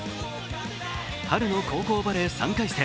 春の高校バレー３回戦。